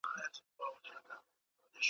چي په کابل کي چاپ سوي ول